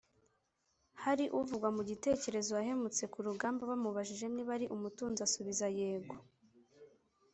hari uvugwa mu gitekerezo wahemutse ku rugamba, bamubajije niba ari umutunzi, asubiza”yego“